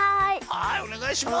はいおねがいします。